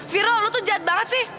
viral lo tuh jad banget sih